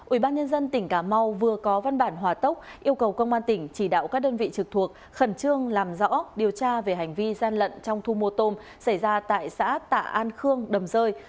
ubnd tỉnh cà mau vừa có văn bản hòa tốc yêu cầu công an tỉnh chỉ đạo các đơn vị trực thuộc khẩn trương làm rõ điều tra về hành vi gian lận trong thu mua tôm xảy ra tại xã tạ an khương đầm rơi